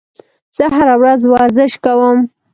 زه هره ورځ ورزش کوم.